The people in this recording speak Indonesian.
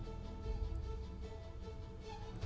apa yang kamu inginkan untuk membuatnya